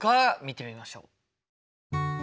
見てみましょう。